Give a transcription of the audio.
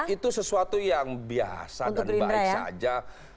itu sesuatu yang biasa dan baik saja